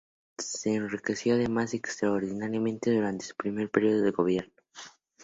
Se enriqueció además extraordinariamente durante su primer periodo de gobierno.